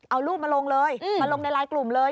เอารูปมาลงเลยมาลงในไลน์กลุ่มเลย